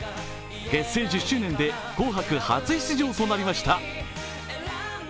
結成１０周年で「紅白」初出場となりました。